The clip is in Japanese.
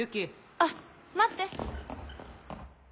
あっ待って！